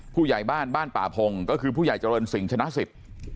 ผู้ใหญ่บ้านบ้านป่าพงก็คือผู้ใหญ่เจริญสิงห์ชนะสิทธิ์